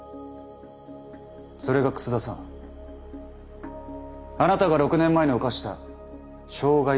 それが楠田さんあなたが６年前に犯した傷害致死事件でしたね。